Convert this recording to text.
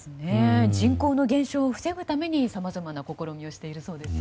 人口の減少を防ぐためさまざまな取り組みをしているそうです。